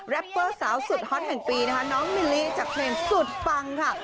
เปอร์สาวสุดฮอตแห่งปีนะคะน้องมิลลี่จากเพลงสุดปังค่ะ